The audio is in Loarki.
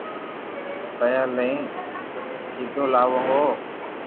پيا لئين ھيدو لاوُ ھون